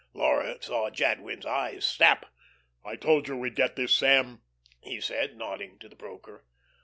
Laura saw Jadwin's eyes snap. "I told you we'd get this, Sam," he said, nodding to the broker.